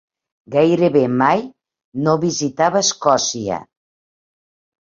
Gairebé mai no visitava Escòcia.